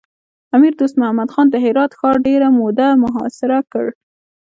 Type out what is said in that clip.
امیر دوست محمد خان د هرات ښار ډېره موده محاصره کړ.